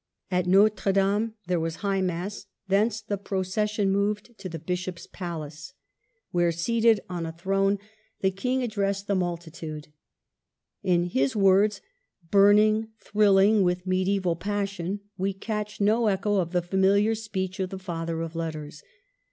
At Notre Dame there was High Mass; thence the procession moved to the Bishop's palace, THE SORBONNE, 151 where, seated on a throne, the King addressed the multitude. In his words, burning, thriUing with mediaeval passion, we catch no echo of the familiar speech of the Father of Letters.